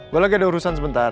gue lagi ada urusan sebentar